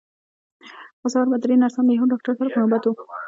خو سهار به درې نرسان له یوه ډاکټر سره په نوبت وو.